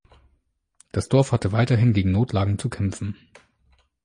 Das Dorf hatte weiterhin gegen Notlagen zu kämpfen.